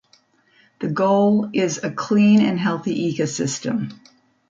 Their goal is A clean and healthy ecosystem.